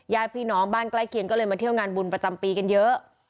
ญาติพี่น้องบ้านใกล้เคียงก็เลยมาเที่ยวงานบุญประจำปีกันเยอะ